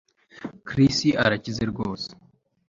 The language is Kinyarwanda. Chris arakize rwose